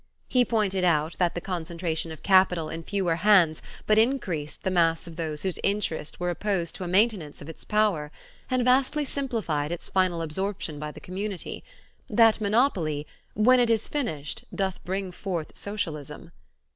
He pointed out that the concentration of capital in fewer hands but increased the mass of those whose interests were opposed to a maintenance of its power, and vastly simplified its final absorption by the community; that monopoly "when it is finished doth bring forth socialism."